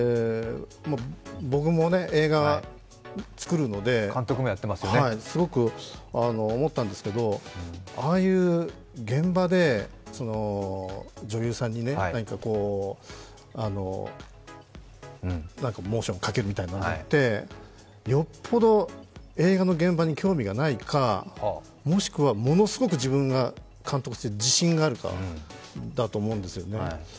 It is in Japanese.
僕も映画作るので、すごく思ったんですけど、ああいう現場で、女優さんに何かモーションかけるみたいなのってよっぽど映画の現場に興味がないか、もしくはものすごく自分が監督として自信があるかだと思うんですよね。